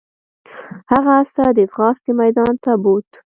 هغه اس ته د ځغاستې میدان ته بوت.